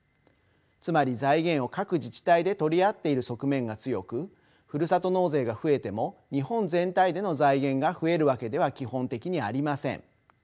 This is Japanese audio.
つまり財源を各自治体で取り合っている側面が強くふるさと納税が増えても日本全体での財源が増えるわけでは基本的にありません。